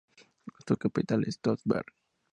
Su capital es Tønsberg.